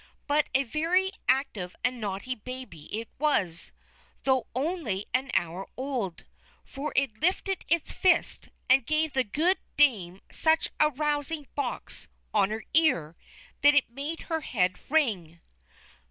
But a very active and naughty baby it was, though only an hour old; for it lifted its fist and gave the good Dame such a rousing box on her ear, that it made her head ring.